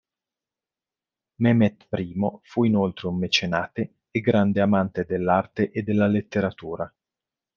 Mehmet I fu inoltre un mecenate e grande amante dell'arte e della letteratura.